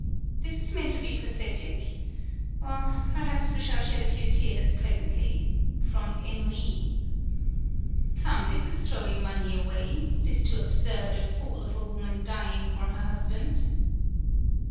This is meant to be pathetic? Well, perhaps we shall shed a few tears presently from ennui." "Come, this is throwing money away! It is too absurd, a fool of a woman dying for her husband!"